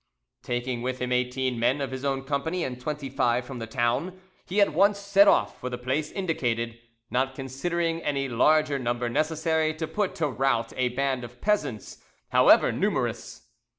Taking with him eighteen men of his own company and twenty five from the town, he at once set off for the place indicated, not considering any larger number necessary to put to rout a band of peasants, however numerous.